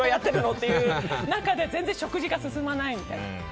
って中で全然、食事が進まないみたいな。